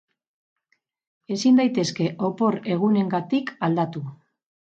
Ezin daitezke opor egunengatik aldatu.